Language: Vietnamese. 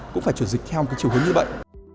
cũng phải chuyển dịch theo cái chiều hướng như vậy